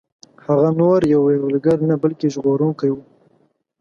هغه نور یو یرغلګر نه بلکه ژغورونکی وو.